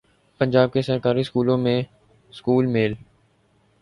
پنجاب کے سرکاری سکولوں میں سکول میل